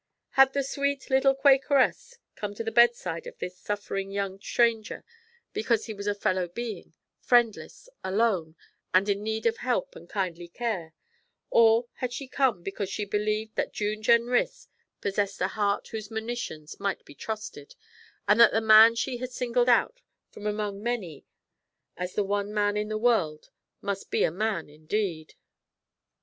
Had the sweet little Quakeress come to the bedside of this suffering young stranger because he was a fellow being, friendless, alone, and in need of help and kindly care, or had she come because she believed that June Jenrys possessed a heart whose monitions might be trusted, and that the man she had singled out from among many as the one man in the world must be a man indeed?